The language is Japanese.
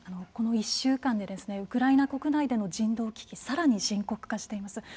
この１週間でウクライナ国内での人道危機がさらに深刻化しています。